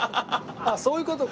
あっそういう事か。